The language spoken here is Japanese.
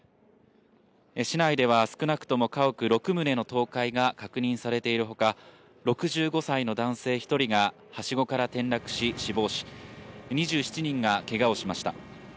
市内では少なくとも家屋６棟の倒壊が確認されているほか、６５歳の男性１人がはしごから転落し死亡し、２７人がけがをしました。